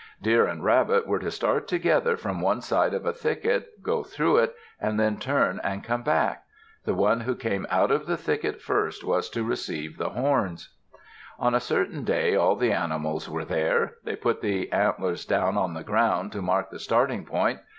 Deer and Rabbit were to start together from one side of a thicket, go through it, and then turn and come back. The one who came out of the thicket first was to receive the horns. On a certain day all the animals were there. They put the antlers down on the ground to mark the starting point.